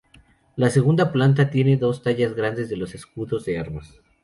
La segunda planta tiene dos tallas grandes de los escudos de armas.